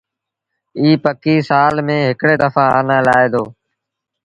ايٚ پکي سآل ميݩ هڪڙي دڦآ آنآ لآهي دو۔